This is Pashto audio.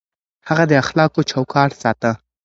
هغه د اخلاقو چوکاټ ساته.